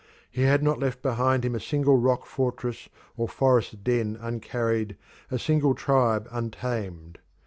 He had not left behind him a single rock fortress or forest den uncarried, a single tribe untamed.